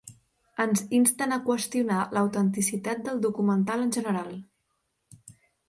Ens insten a qüestionar l'autenticitat del documental en general.